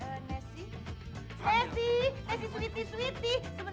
hari ini kelihatan handsome